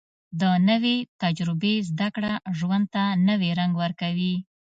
د نوې تجربې زده کړه ژوند ته نوې رنګ ورکوي